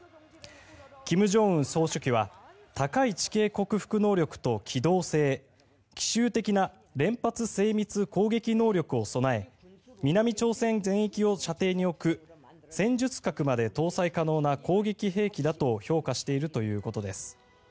金正恩総書記は高い地形克服能力と機動性奇襲的な連発精密攻撃能力を備え南朝鮮全域を射程に置く戦術核まで搭載可能な攻撃兵器だと評価しているということです。